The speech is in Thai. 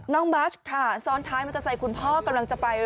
น้องบัชค่ะซ้อนท้ายมันจะใส่คุณพ่อกำลังจะไป